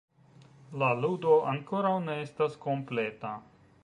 La ludo ankoraŭ ne estas kompleta: